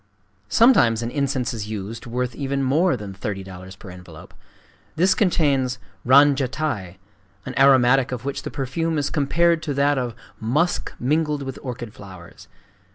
Sometimes an incense is used worth even more than $30.00 per envelope: this contains ranjatai, an aromatic of which the perfume is compared to that of "musk mingled with orchid flowers."